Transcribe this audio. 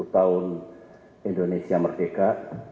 tujuh puluh tahun indonesia merdeka